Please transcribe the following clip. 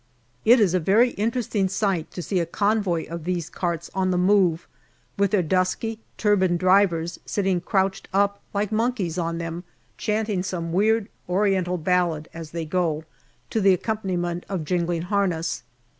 It is a very interesting sight to see a convoy of these carts on the move, with their dusky, turbaned drivers sitting crouched up like monkeys on them, chanting some weird Oriental ballad as they go, to the accompaniment of jingling harness.